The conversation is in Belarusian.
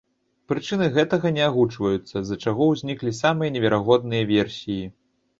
Прычыны гэтага не агучваюцца, з-за чаго ўзніклі самыя неверагодныя версіі.